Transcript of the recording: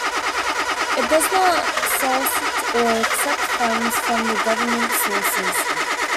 It does not solicit or accept funds from government sources.